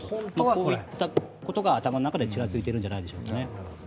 こういったことが頭にちらついているんじゃないですかね。